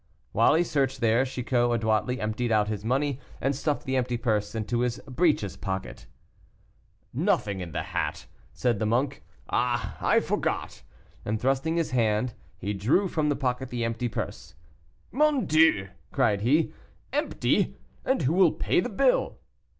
While he searched there Chicot adroitly emptied out his money, and stuffed the empty purse into his breeches pocket. "Nothing in the hat," said the monk. "Ah! I forgot," and thrusting in his hand, he drew from the pocket the empty purse. "Mon Dieu," cried he, "empty! and who will pay the bill?"